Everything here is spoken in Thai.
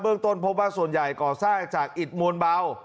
เบื้องต้นพบว่าส่วนใหญ่ก่อซากจากอิตมวลเบา